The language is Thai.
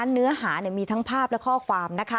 เนื้อหามีทั้งภาพและข้อความ